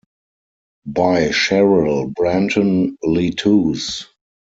By Sherrell Branton Leetooze.